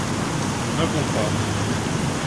Nous n’avons pas.